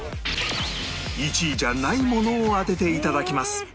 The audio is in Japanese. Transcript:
１位じゃないものを当てて頂きます